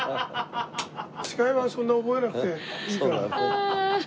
司会はそんな覚えなくていいから。